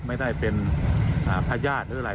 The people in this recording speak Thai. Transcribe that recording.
ไม่ได้เป็นพระญาติหรืออะไร